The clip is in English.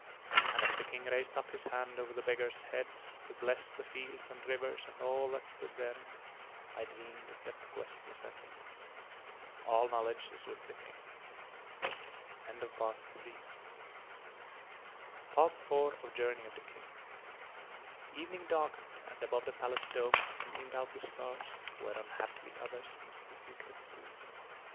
And as the King raised up his hand over the beggars' heads to bless the fields and rivers and all that stood therein, I dreamed that the quest was ended. "All knowledge is with the King." IV Evening darkened and above the palace domes gleamed out the stars whereon haply others missed the secret too.